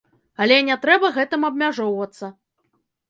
Але не трэба гэтым абмяжоўвацца!